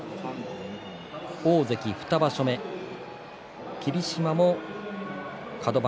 大関２場所目霧島もカド番。